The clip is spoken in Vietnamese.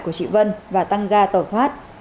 của chị vân và tăng ga tổn thoát